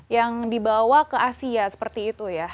yang dibawa ke asia seperti itu ya